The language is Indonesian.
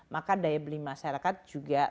maka daya beli masyarakat juga